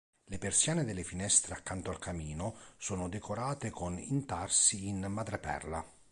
Le persiane delle finestre accanto al camino sono decorate con intarsi in madreperla.